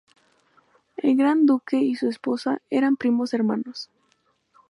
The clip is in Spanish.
El Gran Duque y su esposa eran primos hermanos.